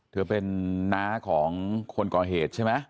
เธอเป็นน้าของคนก่อเหตุใช่ไหม